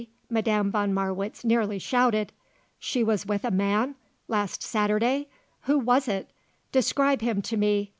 Madame von Marwitz nearly shouted. "She was with a man! Last Saturday! Who was it? Describe him to me!